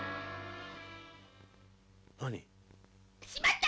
「しまった！